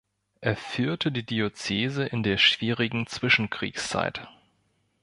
Er führte die Diözese in der schwierigen Zwischenkriegszeit.